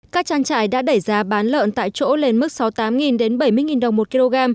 các trang trại đã đẩy giá bán lợn tại chỗ lên mức sáu mươi tám bảy mươi đồng một kg